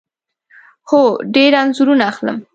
هو، ډیر انځورونه اخلم